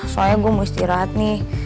soalnya gue mau istirahat nih